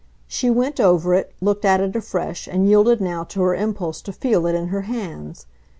She went over it, looked at it afresh and yielded now to her impulse to feel it in her hands.